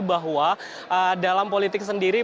bahwa dalam politik sendiri